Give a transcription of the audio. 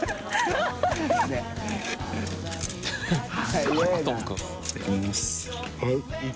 はい。